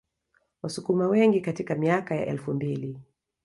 Wasukuma wengi katika miaka ya elfu mbili